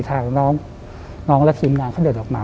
ทางน้องและทีมงานเขาเดินออกมา